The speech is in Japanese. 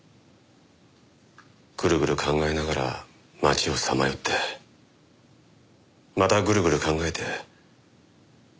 ぐるぐる考えながら街をさまよってまたぐるぐる考えて。